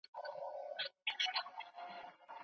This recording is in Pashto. سپین سرې په خپل کبرجن غږ سره امر وکړ.